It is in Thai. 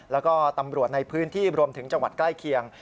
แล้วก็ตำรวจในพื้นที่รวมถึงจังหวัดใกล้เคียง